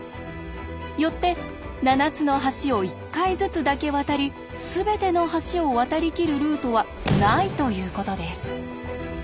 よって７つの橋を１回ずつだけ渡りすべての橋を渡りきるルートはないということです。